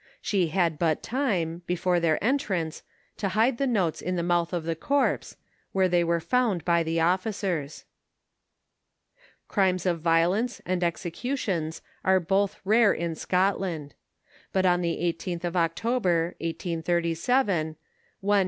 She had but time, before their entrance, to hide the notes in the mouth of the corpse, where they were found by the officers. Crimes of violence and executions are both rare in Scotland. But on the 18th of October, 1837, one Wm.